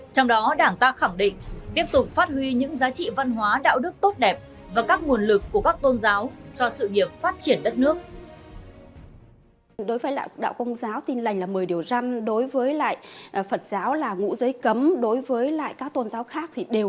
trong đó đảng ta khẳng định tiếp tục phát huy những giá trị văn hóa đạo đức tốt đẹp